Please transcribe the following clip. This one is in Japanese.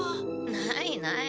ないない。